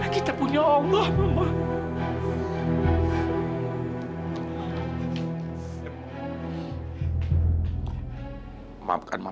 kita punya allah mama